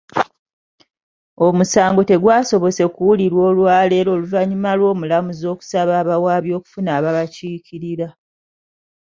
Omusango tegwasobose kuwulirwa olwaleero oluvannyuma lw’omulamuzi okusaba abawaabi okufuna ababakiikirira.